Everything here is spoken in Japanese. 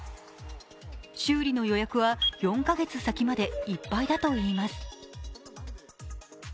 修理の予約は４カ月先までいっぱいだといいます。